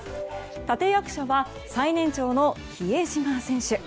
立役者は最年長の比江島選手。